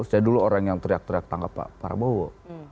saya dulu orang yang teriak teriak tangkap pak prabowo